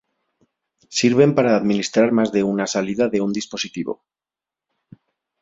Sirven para administrar más de una salida de un dispositivo.